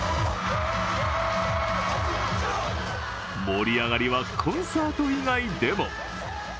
盛り上がりはコンサート以外でも。